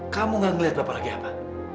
kamu gak ngelihat bapak lagi apa